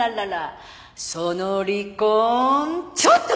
「その離婚ちょっと待った！」